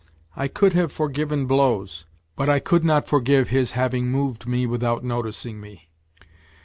I could have for given blows, but I could not forgive his having moved me without noticing me.